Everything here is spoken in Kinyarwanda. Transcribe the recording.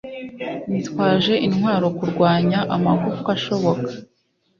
Nitwaje intwaro kurwanya amagufwa ashoboka